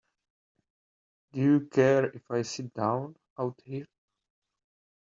Do you care if I sit down out here?